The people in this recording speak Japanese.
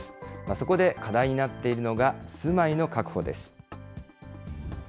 そこで課題になっているのが、住まいの確保です。